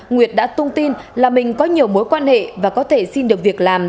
nguyệt đã tung tin là mình có nhiều mối quan hệ và có thể xin được việc làm